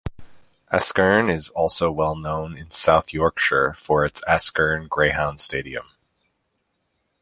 Askern is also well known in South Yorkshire for its Askern Greyhound Stadium.